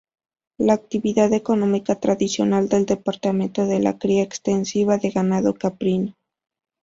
La actividad económica tradicional del departamento es la cría extensiva de ganado caprino.